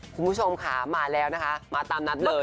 คุณผู้ชมค่ะมาแล้วนะคะมาตามนัดเลย